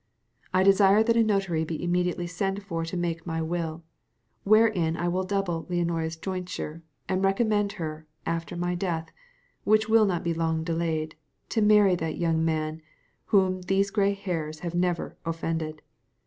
I desire that a notary be immediately sent for to make my will, wherein I will double Leonora's jointure, and recommend her, after my death, which will not be long delayed, to marry that young man whom these gray hairs have never offended.